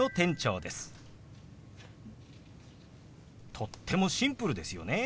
とってもシンプルですよね。